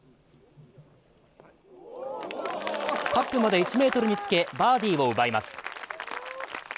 カップまで１ｍにつけバーディーを奪います。